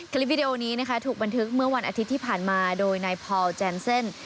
คลิปวิดีโอนี้นะคะถูกบันทึกเมื่อวันอาทิตย์ที่ผ่านมาโดยนายพอลแจนเซ่น